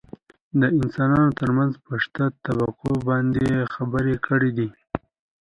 دانسانانو ترمنځ په شته طبقو باندې يې خبرې کړي دي .